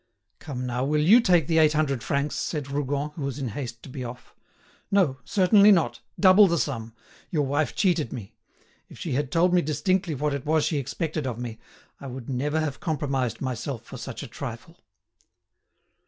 "Come now, will you take the eight hundred francs?" said Rougon, who was in haste to be off. "No, certainly not; double the sum. Your wife cheated me. If she had told me distinctly what it was she expected of me, I would never have compromised myself for such a trifle."